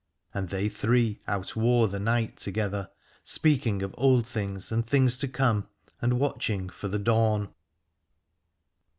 And they three outwore the night together, speaking of old things and things to come, and watching for the dawn.